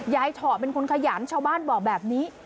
เถาะเป็นคนขยันชาวบ้านบอกแบบนี้